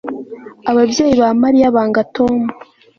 Ababyeyi ba Mariya banga Tom